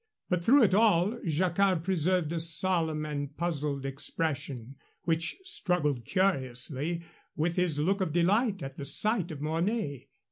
But through it all Jacquard preserved a solemn and puzzled expression, which struggled curiously with his look of delight at the sight of Mornay.